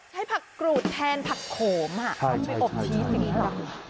ใช้ผักกรูดแทนผักโขมเอาไปอบชีสสินะครับ